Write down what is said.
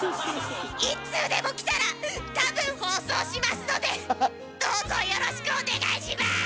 １通でも来たら多分放送しますのでどうぞよろしくお願いします！